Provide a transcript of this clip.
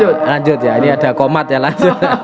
dan ini ada komat ya lanjut